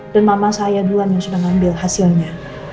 dan mama saya duluan yang sudah ngambil hasilnya